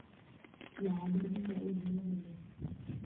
Piano får du spela på fritiden!